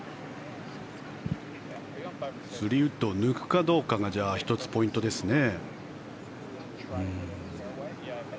３ウッドを抜くかどうかがじゃあ、１つポイントですね。